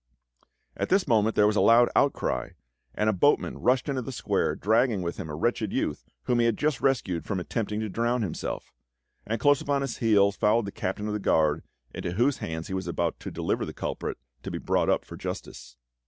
At this moment there was a loud outcry, and a boatman rushed into the square, dragging with him a wretched youth whom he had just rescued from attempting to drown himself; and close upon his heels followed the Captain of the Guard, into whose hands he was about to deliver the culprit to be brought up for justice.